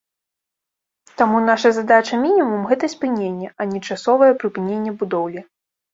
Таму наша задача мінімум, гэта спыненне, а не часовае прыпыненне будоўлі.